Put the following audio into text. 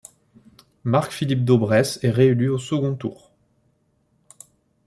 Marc-Philippe Daubresse est réélu au second tour.